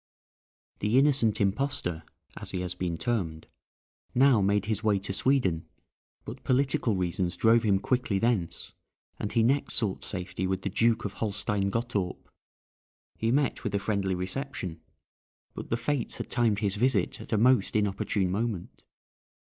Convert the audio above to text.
The innocent impostor, as he has been termed, now made his way to Sweden, but political reasons drove him quickly thence, and he next sought safety with the Duke of Holstein Gottorp. He met with a friendly reception, but the fates had timed his visit at a most inopportune moment.